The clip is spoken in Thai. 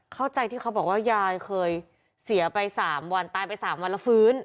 เข้าใจที่เขาบอกว่ายายเคยเสียไป๓วันตายไป๓วันแล้วฟื้น